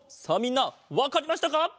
さあみんなわかりましたか？